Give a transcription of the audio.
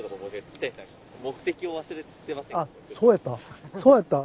そうやった！